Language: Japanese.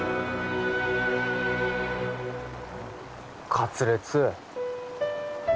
カツレツ